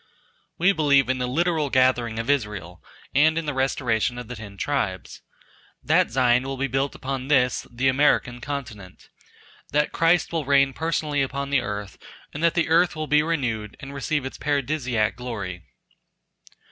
We believe in the literal gathering of Israel and in the restoration of the Ten Tribes. That Zion will be built upon this [the American] continent. That Christ will reign personally upon the earth, and that the earth will be renewed and receive its paradisiac glory.